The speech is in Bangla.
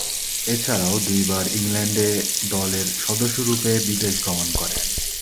এছাড়াও, দুইবার ইংল্যান্ড এ দলের সদস্যরূপে বিদেশ গমন করেন।